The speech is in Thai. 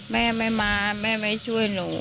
แม่ไม่มาแม่ไม่ช่วยหนู